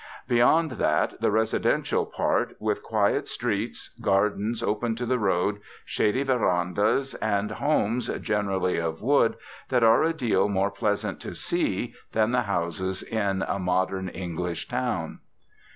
Beyond that the residential part, with quiet streets, gardens open to the road, shady verandahs, and homes, generally of wood, that are a deal more pleasant to see than the houses in a modern English town.